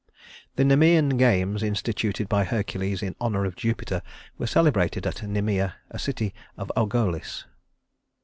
The Nemean games instituted by Hercules in honor of Jupiter were celebrated at Nemea, a city of Argolis.